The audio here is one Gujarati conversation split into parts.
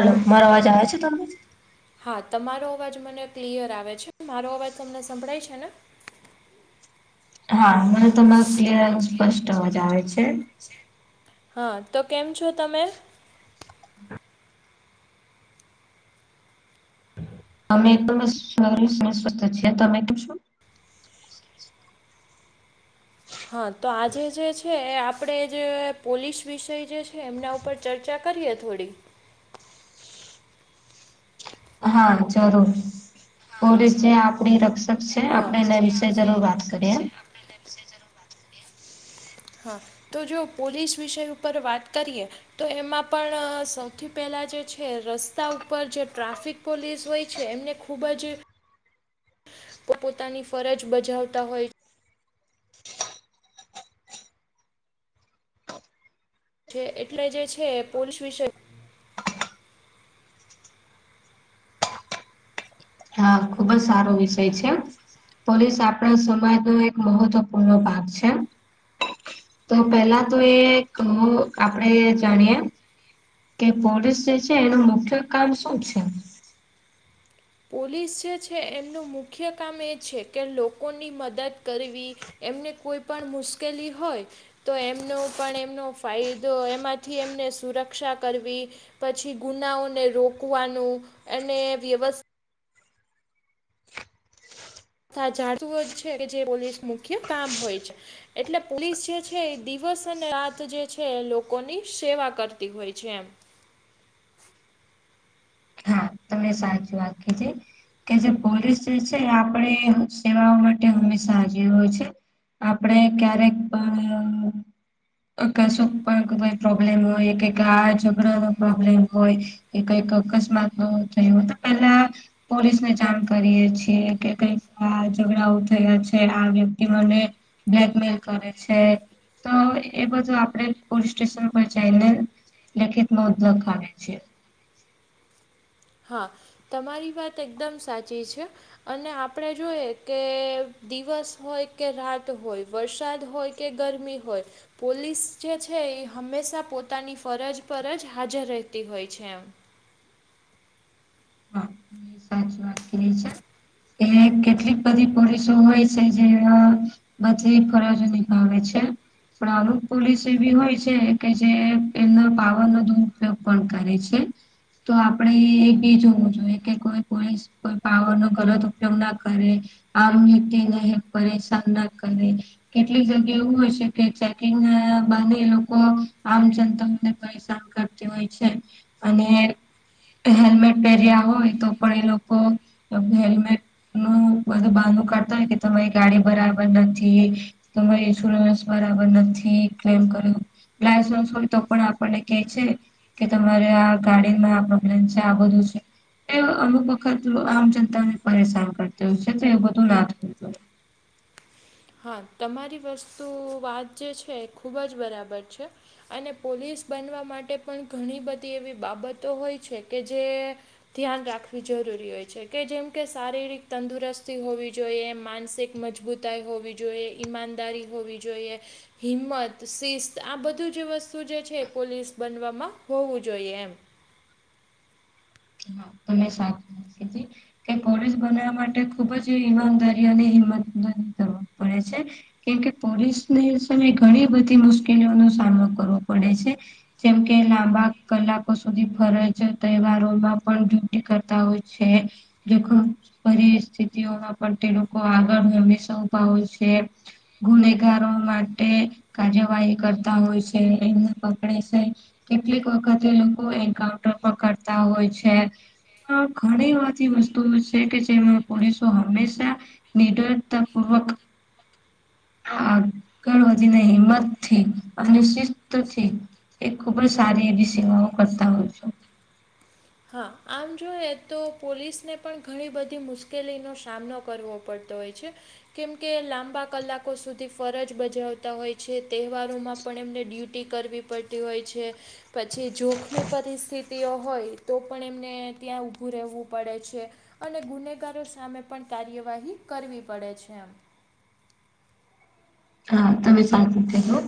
હલો મારો અવાજ આવ છે તમને. હા તમારો અવાજ મને ક્લિયર આવે છે મારો અવાજ તમને સંભળાય છે ને હા મને તમને ક્લિયર સ્પષ્ટ અવાજ આવે છે. હા તો કેમ છો તમે. અમે તો મસ્ત સારી સ્વસ્થ છે તમે કમ છો. હા તો આજે જે છે એ આપ આપણે જે પોલીસ વિષય જે છે એમના ઉપર ચર્ચા કરીએ થોડી હા જરૂર. પોલીસ જે આપણી રક્ષક છે આપણે એના વિશે જરૂર વાત કરીએ. ટિલેબ સે જરૂર બાત કરએ. હા તો જો પોલીસ વિષય ઉપર વાત કરીએ. તો એમાં પણ સૌથી પહેલાં જે છે રસ્તા ઉપર જે ટ્રાફિક પોલીસ હોય છે એમને ખૂબ જ પોત પોતાની ફરજ બજાવતા હોય. છે એટલે જે છે પોલીસ વિષ હા ખુબ જ સારો વિષય છે. પોલીસ આપણા સમાજ નો એક મહત્વપૂર્ણ ભાગ છે. તો પેલા તો એ કહો આપડે જાણીએ. કે પોલીસ જે છે એનું મુખ્ય કામ શું છે. પોલીસ જે છે એમનું મુખ્ય કામ એ છે કે લોકોની મદદ કરવી. એમને કોઈ પણ મુશ્કેલી હોય. તો એમનો પણ એમનો ફાયદો એમાંથી એમને સુરક્ષા કરવી. પછી ગુનાઓને રોકવાનું અને વ્યવસ જાતુ જ છે કે જે પોલીસ મુખ્ય કામ હોય છે. એટલે પોલીસ જે છે એ દિવસ અને રાત જે છે એ લોકોની સેવા કરતી હોય છે એમ હા તમે સાચી વાત કિઘી. કે જે પોલીસ જે છે આપણે સેવાઓ માટે હંમેશા હાજી હોય છે. આપડ ક્યારેક પણ. આકાશ ઉપર કોઈ પણ પ્રોબ્લેમ હોય કે કાળાચક્ર નો પ્રોબ્લેમ હોય. એ કઈ ક અકસ્માત હોય. [inaudible] પોલીસ ને જાણ કરીએ છીએ કે કઈક ઝઘડાઓ થયા છે આ વ્યક્તિ મને બ્લેકમેલ કરે છે. તો એ બધું આપડે પોલીસ સ્ટેશન પર જઈને લેખિત નોંધ લખાવે છે. હા તમારી વાત એકદમ સાચી છે. અને આપણે જોઈએ કે દિવસ હોય કે રાત હોય વરસાદ હોય. કે ગરમી હોય. પોલીસ જે છે એ હંમેશા પોતાની ફરજ પર જ હાજર રહેતી હોય છે એમ. હા સાચી વાત કિરી છે. કે કેટલીક બધી પોલીસો હોય છે જે બઘી એ ફરજ નિભાવે છે. પણ અમુક પોલીસ એવી હોય છે કે જે એમના પાવર નો દુરુપયોગ પણ કરે છે. તો આપડે એક બીજ જોઈએ કે કોઈ પોલીસ કોઈ પાવર નો ગલત ઉપયોગ ના કરે આમ તે ન ઈ પરેશાન ના કરે કેટલીક જગ્યા એવું હોય છે કે ચેકિંગ બાને એ લોકો આમ જનતાઓને પરેશાન કરતા હોય છે અને [inaudible] હેલ્મેટ પહેર્યા હોય તો પણ એ લોકો હેલ્મેટ નું બધું બાનુ કાઢતો હોય કે તમારી ગાડી બરાબર નથી. તોરે સુરન્સ બરાબર નથી ક્લેમ કર્યો લાયસન્સ હોય તો પણ આપણને કે છે. કે તમારે આ ગાડીનમાં આ પ્રોબ્લેમ છે આ બધું. તો અમુક વખત આમ જનતા ને પરેશાન કરતી હોય છે તો એ બધું ના થતું હોય. હા તમારી વસ્તુ વાત જે છે એ ખૂબ જ બરાબર છે અને પોલીસ બનવા માટે પણ ઘણી બધી એવી બાબતો હોય છે કે જે ધ્યાન રાખવી જરૂરી હોય છે કે જેમ કે શારીરિક તંદુરસ્તી હોવી જોઈએ માનસિક મજબૂતાઈ હોવી જોઈએ ઈમાનદારી હોવી જોઈએ હિંમત શિસ્ત આ બધું જે વસ્તુ જે છે એ પોલીસ બનવામાં હોવું જોઈએ હા તો મેં સાચ વાત કે પોલીસ બનાવવા માટે ખુબ જ ઈમાનદારી અને હિંમત કરવી પડે છે. કેમકે પોલીસને છે એ સમય ઘણી બધી મુશ્કેલીઓનો સામનો કરવો પડે છે. જેમ કે લાંબા કલાકો સુધી ફરે છે તહેવારોમાં પણ ડ્યુટી કરતા હોય છે. જોખમ પરિસ્થિતિઓમાં પણ તે લોકો આગળ અ સવભાવે છે. ગુનેગારો માટે કાર્યવાહી કરતા હોય છે એમને પકડે છે કેટલીક વખતે એ લોકો એન્કાઉન્ટર પકડતા હોય છે. છે પણ ઘણી બધી વસ્તુઓ છે કે જેમાં પોલીસો હંમેશા નિડરતા પૂર્વક આગળ વધીને હિંમત થી અને શિસ્ત થી એ ખુબ જ સારી એવી સેવાઓ કરતા હોય છું. હા આમ જોઈએ તો પોલીસને પણ ઘણી બધી મુશ્કેલીનો સામનો કરવો પડે હોય છે કેમ કે લાંબા કલાકો સુધી ફરજ બજાવતા હોય છે તહેવારોમાં પણ એમને ડ્યુટી કરવી પડતી હોય છે પછી જોખમી પરિસ્થિતિઓ હોય. તો પણ એમને ત્યાં ઊભું રહેવું પડે છે અને ગુનેગારો સામે પણ કાર્યવાહી કરવી પડે છે હા તમે સાચી થયો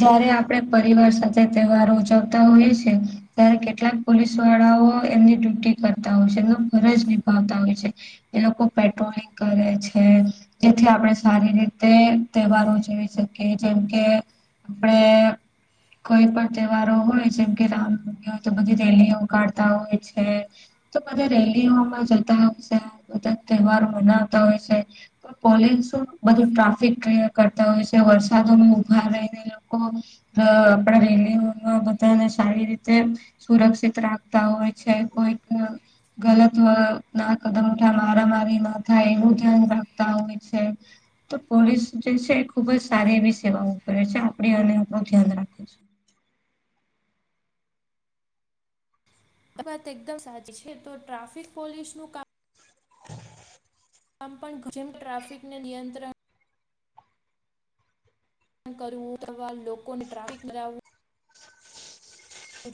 જયારે આપડે પરિવાર સાથે તહેવારો ઉજવતા હોય છે. ત્યારે કેટલાક પોલીસ વાળાઓ એમની ડ્યુટી કરતા હોય છે એમનો ફરજ નિભાવતા હોય છે. એ લોકો પેટ્રોલિંગ કરે છે જેથી આપણે સારી રીતે તહેવારો જોઈ શકીએ જેમ કે આપણે કોઈ પણ તહેવારો હોય જેમ કે રામનવમી હોય તો બધી રેલીઓ કાઢતા હોય છે. તો બધા રેલીઓમાં જતા હોય છે બધા તહેવારો મનાવતા હોય છે. પોલીસું બધું ટ્રાફિક ક્લિયર કરતા હોય છે વરસાદોમાં ઊભા રહીને લોકો અ આપડા રેલીઓમાં બધાને સારી રીતે સુરક્ષિત રાખતા હોય છે કોઈક ગલત ના કદમ ઉઠા મારા મારી ના થાય એનું ધ્યાન રાખતા હમ છે. તો પોલીસ જે છે ખુબ જ સારી એવી સેવાઓ કરે છે આપ અને આપડું ધ્યાન રાખી છે. વાત એકદમ સાચી છે તો ટ્રાફિક પોલીસ નું કામ આમ પણ જેમ ટ્રાફિકને નિયંત્રણ કરવુ લોકોને ટ્રાફિક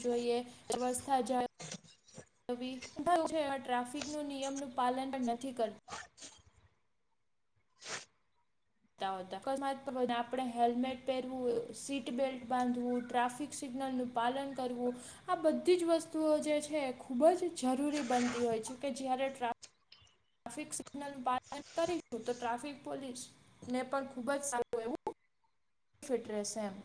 જોઈએ વ્યવસ્થા જ. છે એ ટ્રાફિક ન નિયમનું પાલન પણ નથી કરતું. રે આપણે હેલ્મેટ પહેરવું સીટ બેલ્ટ બાંધવું ટ્રાફિક. સિગ્નલનુંું પાલન કરવું. આ બધી જ વસ્તુઓ જે છે ખુબ જ જરૂરી બનતી હોય છે કે જ્યારે. ટ્રાફિક સિગનલ પાલન કરીશું તો ટ્રાફિક પોલીસ ને પણ ખુબ જ સારું એવું. ફિટરેસ એમ.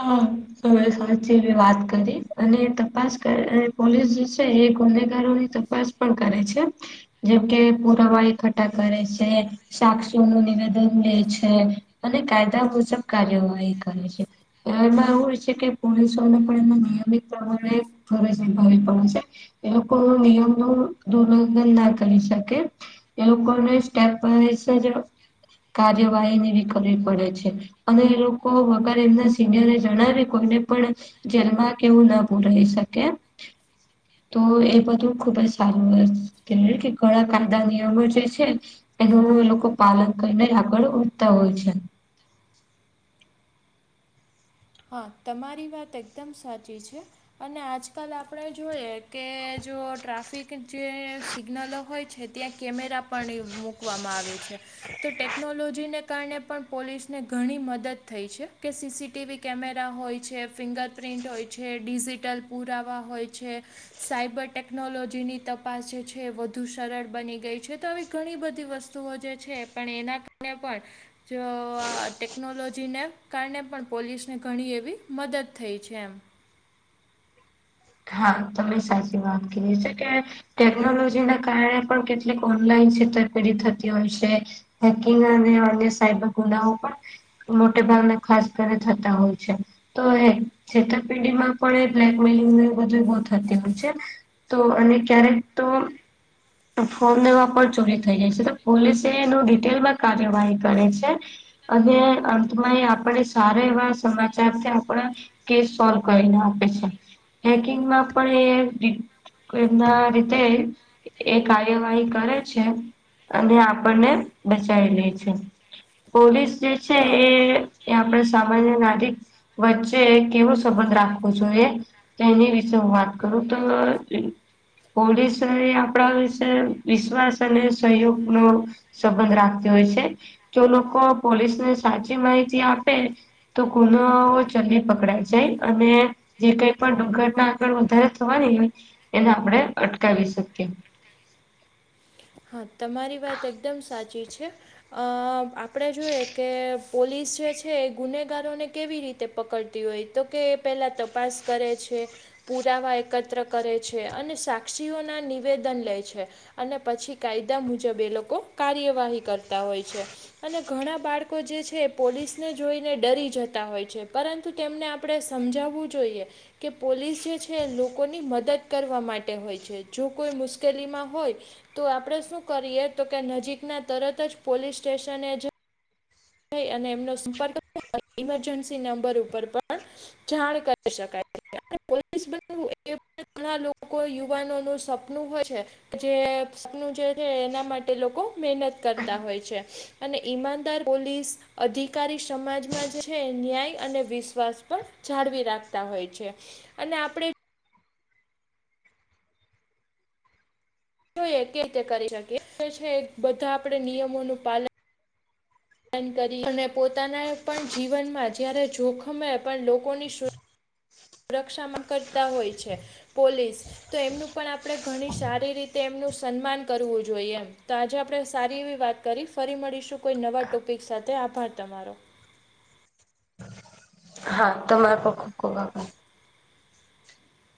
હા હવે સાચી એવી વાત કરી અને તપાસ કરી પોલીસ. એ ગુનેગારોની તપાસ પણ કરે છે. જેમ કે પુરાવા કઠ્ઠા કરે છે. સાક્ષો નું નિવેદન લે છે અને કાયદા મુજબ કાર્યવાહી કરે છે. એમાં એવું છે કે પોલીસોને પણ એમાં નિયમિત પ્રમાણે ફરજ નિભાવી પડે છે. એ લોકો નિયમ નું ઉલ્લઘન ના કરી શકે. એવું કોને સ્ટેપ. કાર્યવાહી વ કરવી પડે છે અને એ લોકો વગારે એમના. સિનયરે જણાવી કોઈને પણ જેલમાં કેવું ના પુરાઈ શકે. તો એ બધું ખુબ જ સારું કે કે ઘણા કાયદા નિયમો જે છે. એનું એ લોકો પાલન કરીને આગળ ઉડતા હોય છે. હા તમારી વાત એકદમ સાચી છે. અને આજકાલ આપણે જોઈએ કે જો ટ્રાફિક જે સિગ્નલો હોય છે ત્યાં. કેમેરા પણ એ મૂકવામાં આવે છે. તો ટેકનોલોજીને કારણે પણ પોલીસને ઘણી મદદ થઈ છે કે સીસીટીવી. કેમેરા હોય છે ફિંગર પ્ર્રિન્ટ હોય છે ડિજિટલ પુરાવા હોય છે. સાયબર ટેકનોલોજીની તપાસ જે છે એ વધુ સરળ બની ગઈ છે તો આવી ઘણી બધી વસ્તુ. વસ્તુઓ જે છે પણ એના કારણે પણ. જો ટેકનોલોજીને કારણે પણ પોલીસ. ને ઘણી એવી મદદ થઈ છે એમ. હા તમે સાચી વાત કરી છે કે. ટેકનોલોજી ના કારણે પણ કેટલીક ઓનલાઈન છેતરપેઢ થતી હોય છે. હેકિંગ અને અન્ય સાઈબ ગુનાઓ પણ. મોટે ભાગ ને ખાસ કરી થતા હોય છે. તો એ છેતરપિંડીમાં પણ એ બ્લેકમેલિંગ. બધું બહ થતી હોય છે તો અને ક્યારેક તો. ફોર્મ લેવા પણ ચોરી થઈ જાય છે તો પોલીસ એનું ડિટેલમાં કાર્યવાહી કરે છે. અને અંતમાં એ આપણે સારા એવા સમાચાર છે આપણા. કેસ સોલ્વ કરીને આપે છે. હેકિંગમાં પણ એ એમના રીતે. એ કાર્યવાહી કરે છે. અને આપણને બચાવી લે છે પોલીસ જે છે હા એ. એ આપણે સામાન્ય નાગિક વચ્ચે કેવું સંબંધ રાખવો જોઈએ. તેની વિશે હ વાત કરું તો પોલીસ. આપ વિશે વિશ્વાસ અને સહયોગ નો સંબંધ રાખતી હોય છે. જો લોકો પોલીસને સાચી માહિતી આપે. તો કુનો ચલ્લી પકડાાય જાય અને જે કઈ પણ દુર્ઘટના આગળ વધારે થવાની એને આપણે અટકાવી શકીએ. હા તમારી વાત એકદમ સાચી છે. અ આપણે જોએ કે પોલીસ જે છે એ ગુનેગારોને કેવી રીતે. તે પકડતી હોય તો કે એ પેલા તપાસ કરે છે. પુરાવા એકત્ર કરે છે અને સાક્ષીઓના નિવેદન લે છે અને પછી. કાયદા મુજબ એ લોકો કાર્યવાહી કરતા હોય છે. અને ઘણા બાળકો જે છે પોલીસને જોઈને ડરી જતા હોય છે, પરંતુ તેમને આપડે સમજાવું જોઈએ. કે પોલીસ જે છે એ લોકોની મદદ કરવા માટે હોય છે, જો કોઈ મુશ્કેલીમાં હોય. તો આપડે શું કરીએ તો કે નજીકના તરત જ પોલીસ સ્ટેશન થ અને એમનો સંપર્ક ઈમરજન્સી નંબર ઉપર પણ જાણ કરી શકાય પોલીસ બનવું એ ઘણાં લોકો યુવાનોનું સપનું હોય છે. જે નુ જે છે, એના માટે તે લોકો મહેનત કરતા હોય છે, અને ઈમાનદાર પોલીસ અધિકારી સમાજમાં જે છે, એ ન્યાય અને વિશ્વાસ પણ જાળવી રાખતા હોય છે, અને આપણે જોઈએ કે રીતે કરી શકી છે, બધા આપડે નિયમોનું પાલન પન કરીએ અને પોતાના પણ જીવનમા જયારે જોખમે પણ લોકોની સુ સુરક્ષામાં કરતા હોય છે, પોલીસ તો એમનું પણ આપણે ઘણી સારી રીતે એમનું સન્માન કરવું જોઈએ, એમ તો આજે આપણે સારી એવી વાત કરી ફરી મળીશું કોઈ નવા ટોપિક સાથે આભાર તમારો હા તમારે પણ ખુબ ખુબ આભાર